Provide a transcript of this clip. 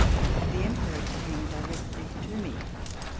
The Emperor came directly to me.